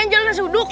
yang jalan sudut